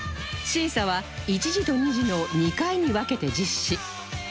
審査は１次と２次の２回に分けて実施